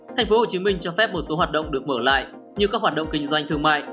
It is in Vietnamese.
thành phố hồ chí minh cho phép một số hoạt động được mở lại như các hoạt động kinh doanh thương mại